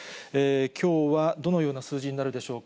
きょうはどのような数字になるでしょうか。